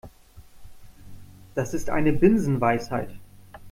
Das ist eine Binsenweisheit.